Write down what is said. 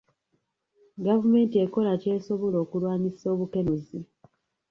Gavumenti ekola ky'esobola okulwanyisa obukenenuzi.